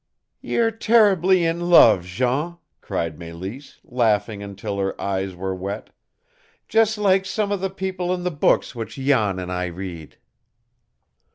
"You're terribly in love, Jean," cried Mélisse, laughing until her eyes were wet; "just like some of the people in the books which Jan and I read."